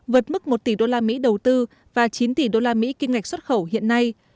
vượt mức một tỷ usd đầu tư và chín tỷ usd kim ngạch xuất khẩu hiện nay